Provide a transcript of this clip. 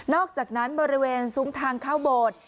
อกจากนั้นบริเวณซุ้มทางเข้าโบสถ์